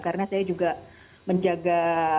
karena saya juga menjaga